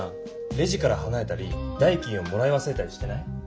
レジからはなれたり代金をもらいわすれたりしてない？